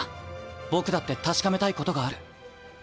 僕だって確かめたいことがある。